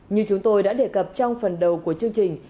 như chúng tôi đã đề cập trong phần đầu của chương trình